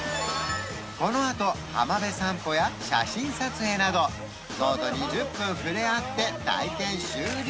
このあと浜辺散歩や写真撮影などゾウと２０分触れ合って体験終了